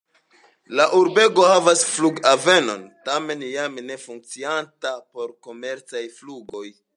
La urbego havas flughavenon, tamen jam ne funkcianta por komercaj flugoj.